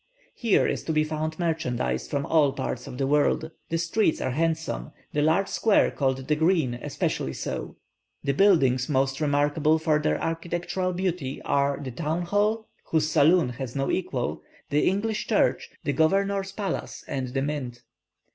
Here is to be found merchandise from all parts of the world. The streets are handsome, the large square called The Green especially so. The buildings most remarkable for their architectural beauty are the Town hall, whose saloon has no equal, the English Church, the Governor's Palace, and the Mint.